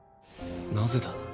なぜだ？